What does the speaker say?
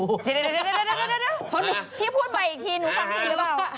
เดี๋ยวพี่พูดใหม่อีกทีหนูฟังดีหรือเปล่า